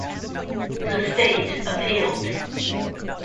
The state appealed.